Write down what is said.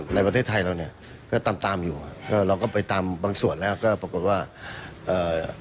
ในประเทศไทยเราเนี้ยก็ตามตามอยู่อ่ะก็เราก็ไปตามบางส่วนแล้วก็ปรากฏว่าเอ่อ